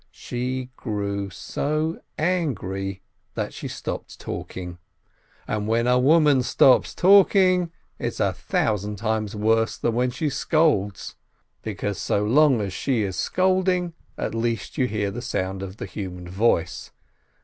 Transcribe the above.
She grew so angry that she stopped talking. And when a woman stops talking, it's a thousand times worse than when she scolds, because so long as she is scolding at least you hear the sound of the human voice.